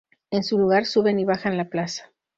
En su lugar suben y bajan la plaza.